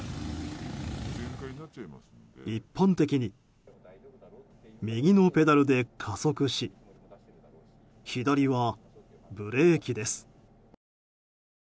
一般的に右のペダルで加速し左はブレーキです。